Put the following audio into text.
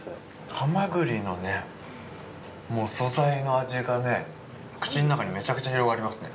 ハマグリのね、素材の味がね、口の中にめちゃくちゃ広がりますね。